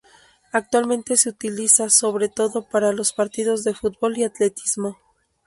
Actualmente se utiliza sobre todo para los partidos de fútbol y atletismo.